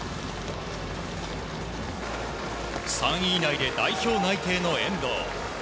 ３位以内で代表内定の遠藤。